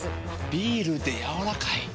ビールでやわらかい。